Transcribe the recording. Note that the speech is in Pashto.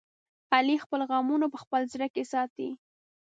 علي خپل غمونه په خپل زړه کې ساتي.